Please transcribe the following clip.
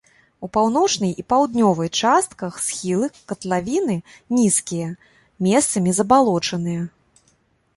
У паўночнай і паўднёвай частках схілы катлавіны нізкія, месцамі забалочаныя.